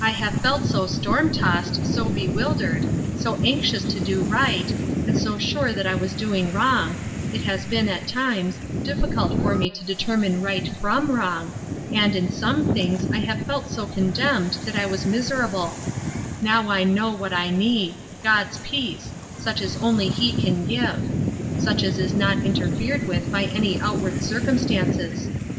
1 have felt so storm tossed, so bewildered, so anxious to do right, and so sure that I was doing wrong, it has been, at times, difficult for me to determine right /ro?7i wrong, and, in some things* 98 Ruth Er8kine'% Crosses. I have felt so condemned that I was miserable Now I know what I need — God's peace — such as only he can give — such as is not interfered with by any outward circumstances.